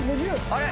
あれ？